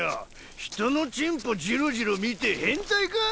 人のチンポジロジロ見て変態か？